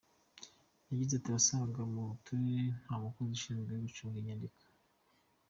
Yagize ati “Wasangaga mu turere nta mukozi ushinzwe gucunga inyandiko.